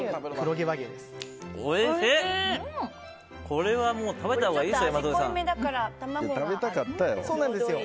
これは食べたほうがいいですよ